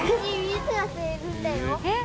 えっ！